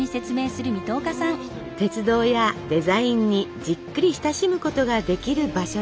鉄道やデザインにじっくり親しむことができる場所です。